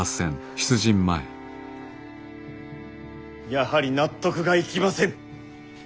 やはり納得がいきませぬ。